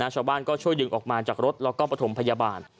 ชาวบ้านก็ช่วยดึงออกมาจากรถแล้วก็ประถมพยาบาล